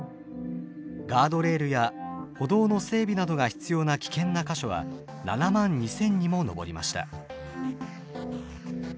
ガードレールや歩道の整備などが必要な危険な箇所は７万２，０００にも上りました。